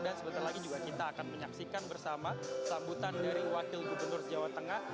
dan sebentar lagi juga kita akan menyaksikan bersama sambutan dari wakil gubernur jawa tengah